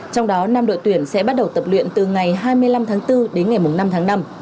trong đó năm đội tuyển sẽ bắt đầu tập luyện từ ngày hai mươi năm tháng bốn đến ngày năm tháng năm